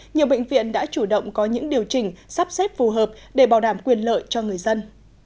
nhiều bệnh viện đã chủ động có những điều chỉnh sắp xếp phù hợp để bảo đảm quyền lợi cho người dân